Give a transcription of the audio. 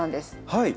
はい！